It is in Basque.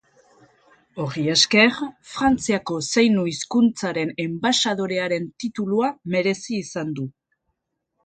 Horri esker Frantziako zeinu hizkuntzaren enbaxadorearen titulua merezi izan du.